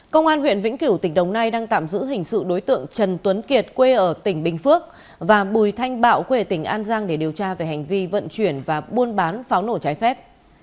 công an huyện vĩnh kiểu tỉnh đồng nai đang tạm giữ hình sự đối tượng trần tuấn kiệt quê ở tỉnh bình phước và bùi thanh bạo quê tỉnh an giang để điều tra về hành vi vận chuyển và buôn bán pháo nổ trái phép